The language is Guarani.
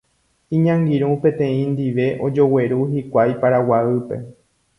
Iñangirũ peteĩ ndive ojogueru hikuái Paraguaýpe.